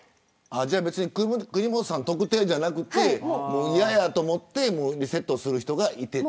別に国本さん特定じゃなくて嫌やと思ってリセットする人がいてたって。